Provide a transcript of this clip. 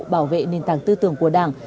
bảo vệ nền tảng tư tưởng của đảng